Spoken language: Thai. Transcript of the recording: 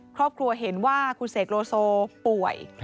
ครอบครัวเห็นว่าคุณเสกโลโซป่วย